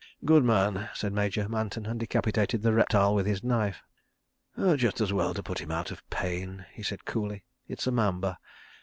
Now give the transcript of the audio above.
"Good man," said Major Manton, and decapitated the reptile with his knife. "Just as well to put him out of pain," said he coolly; "it's a mamba.